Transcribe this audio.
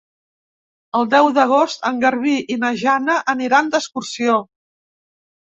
El deu d'agost en Garbí i na Jana aniran d'excursió.